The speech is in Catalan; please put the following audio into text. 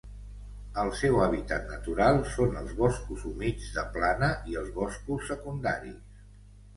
El seu hàbitat natural són els boscos humits de plana i els boscos secundaris.